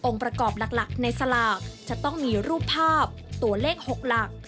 ประกอบหลักในสลากจะต้องมีรูปภาพตัวเลข๖หลัก